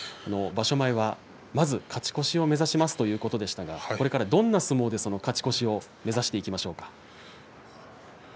場所前はまず勝ち越しを目指しますということでしたがこれからどんな相撲で勝ち越しを目指しましょうか。